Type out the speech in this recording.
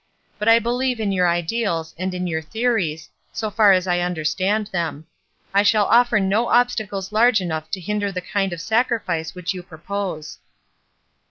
But I believe in your ideals, and in your theories, so far as I understand them. I shall offer no obstacles large enough to hinder the kind of sacrifice which you propose."